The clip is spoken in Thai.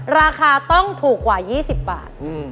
ราคาต้องถูกกว่า๒๐บาท